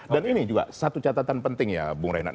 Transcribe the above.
dan ini juga satu catatan penting ya bung reinhardt